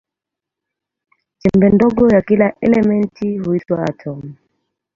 Chembe ndogo ya kila elementi huitwa atomu.